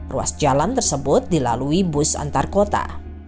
ruas jalan tersebut dilalui bus antarkota